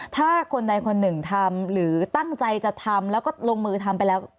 ถ้าคนใดคนหนึ่งทำหรือตั้งใจจะทำแล้วก็ลงมือทำไปแล้ว